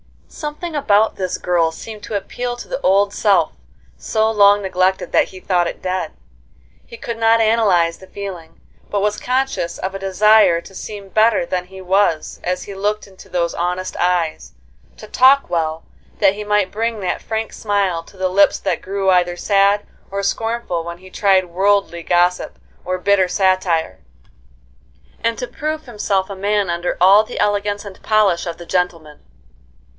Something about this girl seemed to appeal to the old self, so long neglected that he thought it dead. He could not analyze the feeling, but was conscious of a desire to seem better than he was as he looked into those honest eyes; to talk well, that he might bring that frank smile to the lips that grew either sad or scornful when he tried worldly gossip or bitter satire; and to prove himself a man under all the elegance and polish of the gentleman.